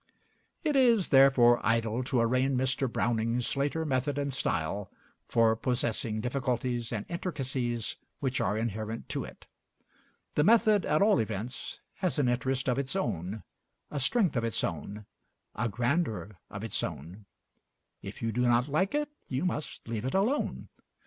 It is therefore idle to arraign Mr. Browning's later method and style for possessing difficulties and intricacies which are inherent to it. The method at all events has an interest of its own, a strength of its own, a grandeur of its own. If you do not like it you must leave it alone.